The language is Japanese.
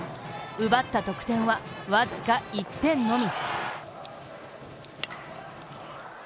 奪った得点はわずか１点のみ。